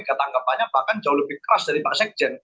ketangkapannya bahkan jauh lebih keras dari pak sekjen